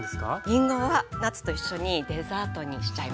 りんごはナッツと一緒にデザートにしちゃいます。